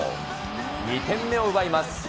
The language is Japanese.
２点目を奪います。